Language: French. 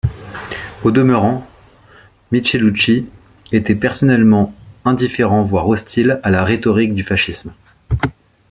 Au demeurant, Michelucci était personnellement indifférent voire hostile à la rhétorique du fascisme.